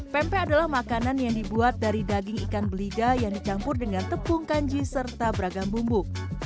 pempek adalah makanan yang dibuat dari daging ikan belida yang dicampur dengan tepung kanji serta beragam bumbu